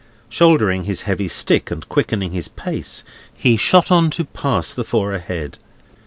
Shouldering his heavy stick, and quickening his pace, he shot on to pass the four ahead.